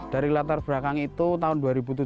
dari latar belakang itu tahun dua ribu tujuh belas